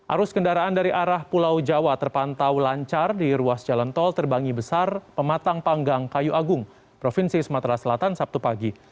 arus kendaraan dari arah pulau jawa terpantau lancar di ruas jalan tol terbangi besar pematang panggang kayu agung provinsi sumatera selatan sabtu pagi